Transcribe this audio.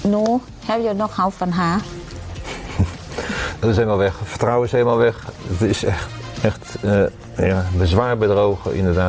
นูแฮวเยอร์นอคฮาว์ฟันฮา